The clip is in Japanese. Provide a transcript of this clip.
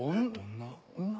女？